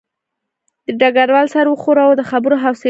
ډګروال سر وښوراوه او د خبرو حوصله یې نه وه